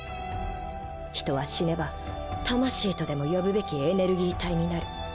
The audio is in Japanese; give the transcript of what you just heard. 人は死ねば魂とでも呼ぶべきエネルギー体になる。